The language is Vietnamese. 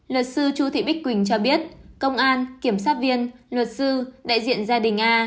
luật sư chu thị bích quỳnh cho biết công an kiểm sát viên luật sư đại diện gia đình a